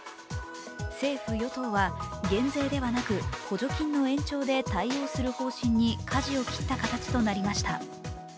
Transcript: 政府・与党は減税ではなく補助金の延長で対応する方針にかじを切った形となりました。